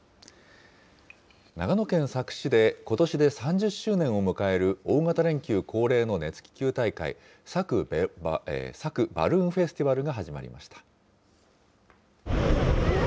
長野県佐久市で、ことしで３０周年を迎える大型連休恒例の熱気球大会、佐久バルーンフェスティバルが始まりました。